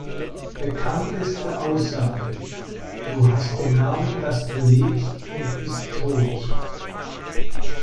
Bekannteste Aussage: „Du hast den Namen, dass du lebst, und bist tot.